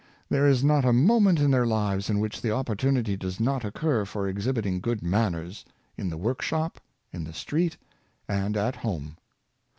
There is not a moment in their lives in which the opportunity does not occur for exhibiting good manners — in the workshop, in the street, and at home.